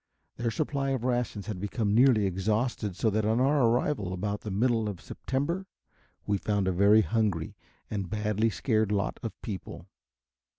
Their supply of rations had become nearly exhausted, so that on our arrival about the middle of September, we found a very hungry and badly scared lot of people.